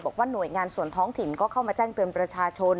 บอกว่าหน่วยงานส่วนท้องถิ่นก็เข้ามาแจ้งเตือนประชาชน